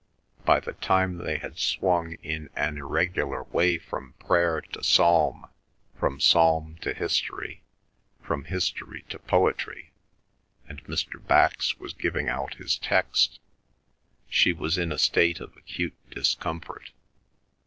By the time they had swung in an irregular way from prayer to psalm, from psalm to history, from history to poetry, and Mr. Bax was giving out his text, she was in a state of acute discomfort.